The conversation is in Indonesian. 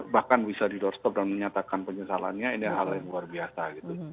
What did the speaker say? bahkan bisa di doorstop dan menyatakan penyesalannya ini hal yang luar biasa gitu